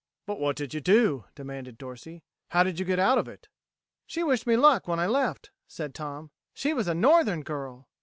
"But what did you do?" demanded Dorsey. "How did you get out of it?" "She wished me luck when I left," said Tom. "She was a Northern girl."